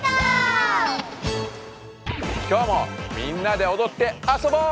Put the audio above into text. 今日もみんなでおどってあそぼう！